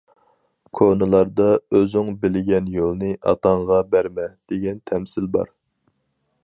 كونىلاردا« ئۆزۈڭ بىلگەن يولنى ئاتاڭغا بەرمە» دېگەن تەمسىل بار.